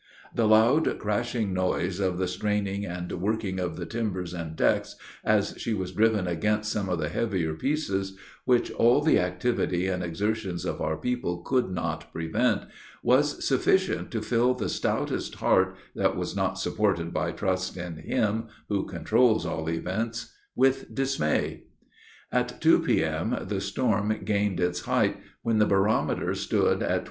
The loud, crashing noise of the straining and working of the timbers and decks, as she was driven against some of the heavier pieces, which all the activity and exertions of our people could not prevent, was sufficient to fill the stoutest heart, that was not supported by trust in Him, who controls all events, with dismay. At two P.M. the storm gained its height, when the barometer stood at 28.